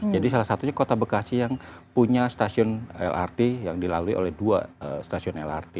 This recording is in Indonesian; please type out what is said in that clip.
jadi salah satunya kota bekasi yang punya stasiun lrt yang dilalui oleh dua stasiun lrt